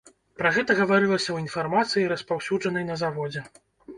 Пра гэта гаварылася ў інфармацыі, распаўсюджанай на заводзе.